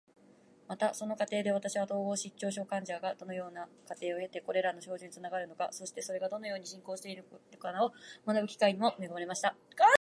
また、その過程で私は、統合失調症患者がどのような過程を経てこれらの症状につながるのか、そしてそれがどのように進行していくのかを学ぶ機会にも恵まれました。